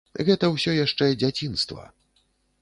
Гэта ўсё яшчэ дзяцінства.